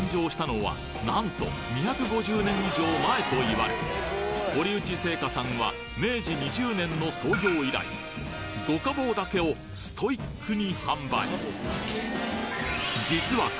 なんと堀内製菓さんは明治２０年の創業以来五家宝だけをストイックに販売